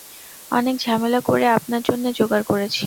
অনেক ঝামেলা করে আপনার জন্যে জোগাড় করেছি।